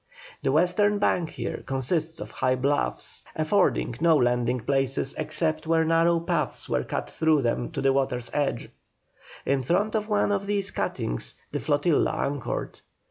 The western bank here consists of high bluffs, affording no landing places except where narrow paths were cut through them to the water's edge; in front of one of these cuttings the flotilla anchored.